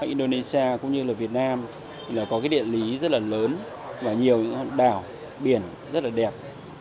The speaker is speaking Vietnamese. indonesia cũng như việt nam có điện lý rất lớn và nhiều đảo biển rất đẹp